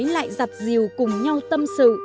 lại giặt rìu cùng nhau tâm sự